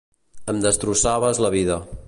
Em destrossaves la vida.